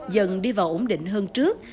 dần đi vào ổn định hơn trước